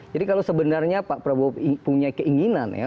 jadi kalau sebenarnya pak perbowo punya keinginan ya